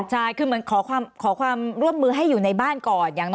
ใช่คือเหมือนขอความร่วมมือให้อยู่ในบ้านก่อน